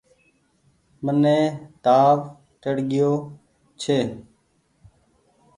مني تآو چڙگيو ڇي۔